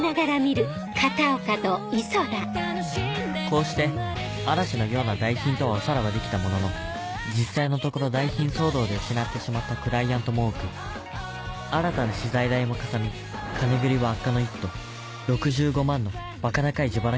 こうして嵐のような代品とはおさらばできたものの実際のところ代品騒動で失ってしまったクライアントも多く新たな資材代もかさみ金繰りは悪化の一途６５万のばか高い自腹